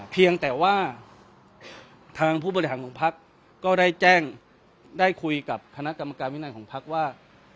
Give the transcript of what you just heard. เพียงแต่ว่าทางผู้บริหารของพักก็ได้แจ้งได้คุยกับคณะกรรมการวินัยของพักว่า